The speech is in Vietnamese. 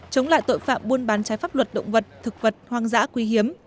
chống lại tội phạm buôn bán trái pháp luật động vật thực vật hoang dã quý hiếm